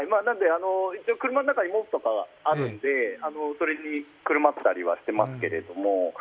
一応車の中に毛布とかあるんでそれにくるまったりはしてますけれども。